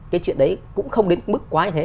cái chuyện đấy cũng không đến mức quá như thế